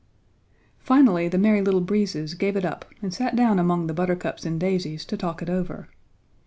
Finally the Merry Little Breezes gave it up and sat down among the buttercups and daisies to talk it over.